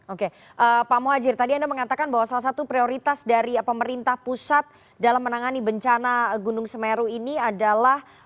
oke pak muhajir tadi anda mengatakan bahwa salah satu prioritas dari pemerintah pusat dalam menangani bencana gunung semeru ini adalah